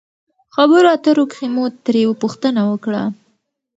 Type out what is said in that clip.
خبرو اترو کښې مو ترې پوښتنه وکړه